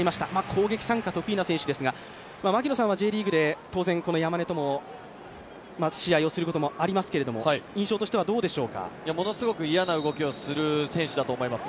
攻撃参加が得意な選手ですが槙野さんはＪリーグで当然、山根とも対戦することもありますが、ものすごく嫌な動きをする選手だと思います。